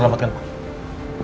kita belum terlambat ya pak